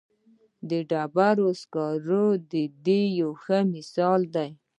د ډبرو سکاره د دې یو ښه مثال دی.